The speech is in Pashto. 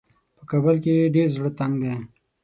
په کابل کې یې ډېر زړه تنګ دی.